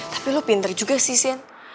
tapi lo pinter juga sih shan